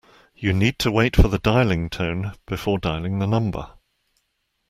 You need to wait for the dialling tone before dialling the number